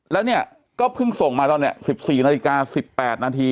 แล้วเนี่ยก็เพิ่งส่งมาตอนนี้๑๔นาฬิกา๑๘นาที